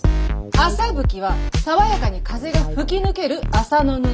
「麻吹」は爽やかに風が吹き抜ける麻の布。